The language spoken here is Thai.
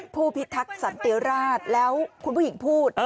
ผู้พิทักษ์สันติราชแล้วคุณผู้หญิงพูด